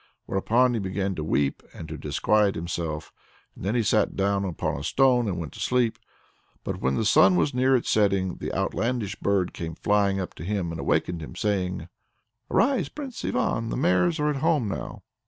Thereupon he began to weep and to disquiet himself, and then he sat down upon a stone and went to sleep. But when the sun was near its setting, the outlandish bird came flying up to him, and awakened him saying: "Arise, Prince Ivan! the mares are at home now."